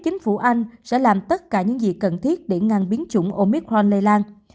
chính phủ anh sẽ làm tất cả những gì cần thiết để ngăn biến chủng omitron lây lan